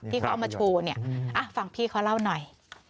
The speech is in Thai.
ที่เขาเอามาโชว์เนี่ยฟังพี่เขาเล่าหน่อย